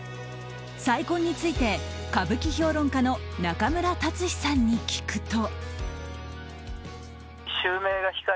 再婚について、歌舞伎評論家の中村達史さんに聞くと。